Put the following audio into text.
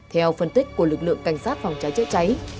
theo phân tích của lực lượng cảnh sát phòng cháy chữa cháy